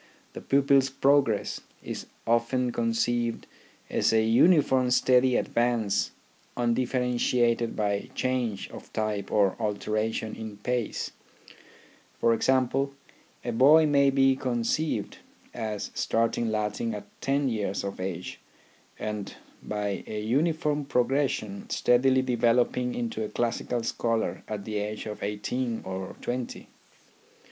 The pupil's progress is often conceived as a uniform steady advance undifferentiated by change of type or alteration in pace ; for example, THE RHYTHM OF EDUCATION 9 a boy may be conceived as starting Latin at ten years of age and by a uniform progression steadily developing into a classical scholar at the age of eighteen or twenty.